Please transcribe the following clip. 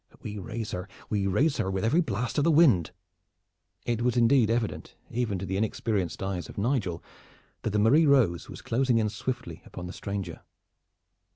But we raise her, we raise her with every blast of the wind!" It was indeed evident, even to the inexperienced eyes of Nigel, that the Marie Rose was closing in swiftly upon the stranger.